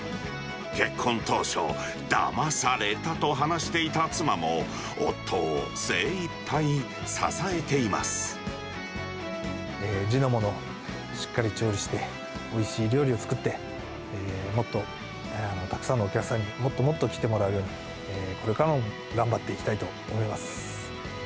結婚当初、だまされたと話していた妻も、地のもの、しっかり調理して、おいしい料理を作って、もっとたくさんのお客さんに、もっともっと来てもらえるように、これからも頑張っていきたいと思います。